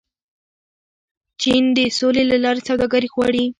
چین د سولې له لارې سوداګري غواړي.